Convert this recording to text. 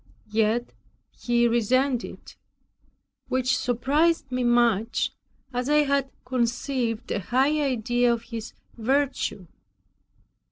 Yet he resented it, which surprised me much, as I had conceived a high idea of his virtue.